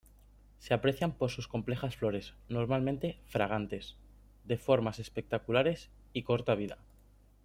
Se aprecian por sus complejas flores, normalmente fragantes, de formas espectaculares y corta vida.